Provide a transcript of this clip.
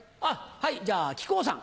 はいじゃあ木久扇さん。